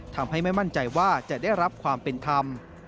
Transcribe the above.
ไม่มั่นใจว่าจะได้รับความเป็นธรรม